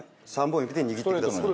３本指で握ってください。